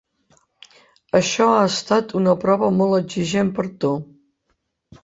Això ha estat una prova molt exigent per a tu.